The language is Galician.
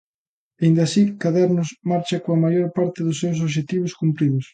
Aínda así, Cadernos marcha coa maior parte dos seus obxectivos cumpridos.